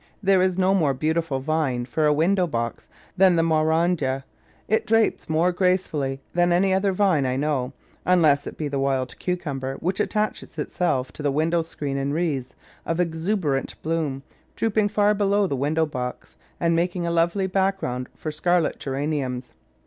There is no more beau tiful vine for a window box than the Maurandya; it drapes more gracefully than any other vine I know (unless it be the Wild Cucumber, which attaches itself to the window screen in wreaths of exuberant bloom, drooping far below the window box, and making a lovely background for scarlet Geraniums).